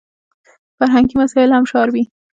فرهنګي مسایل هم شاربي.